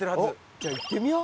じゃあ行ってみよう！